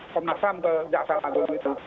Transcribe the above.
pemnasam ke jaksan agung itu